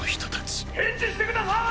返事してください。